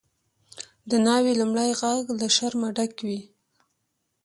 د ناوی لومړی ږغ له شرمه ډک وي.